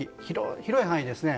広い範囲ですね。